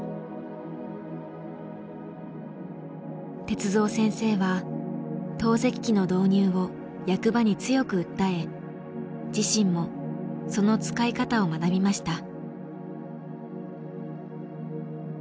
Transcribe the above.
鉄三先生は透析機の導入を役場に強く訴え自身もその使い方を学びました。